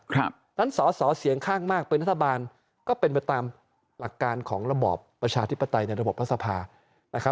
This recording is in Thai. เพราะฉะนั้นสอสอเสียงข้างมากเป็นรัฐบาลก็เป็นไปตามหลักการของระบอบประชาธิปไตยในระบบรัฐสภานะครับ